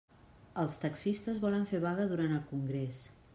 Els taxistes volen fer vaga durant el congrés.